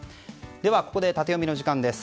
では、ここでタテヨミの時間です。